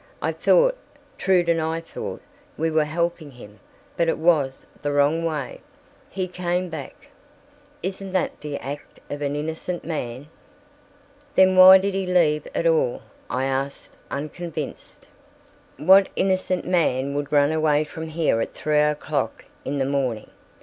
I thought, Trude and I thought, we were helping him, but it was the wrong way. He came back. Isn't that the act of an innocent man?" "Then why did he leave at all?" I asked, unconvinced. "What innocent man would run away from here at three o'clock in the morning?